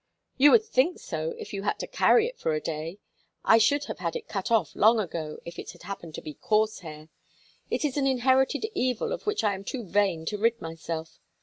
"You would think so if you had to carry it for a day. I should have had it cut off long ago if it had happened to be coarse hair. It is an inherited evil of which I am too vain to rid myself.